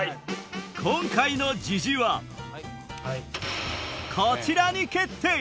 今回のジジはこちらに決定！